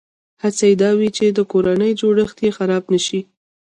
هڅه یې دا وي چې کورنی جوړښت یې خراب نه شي.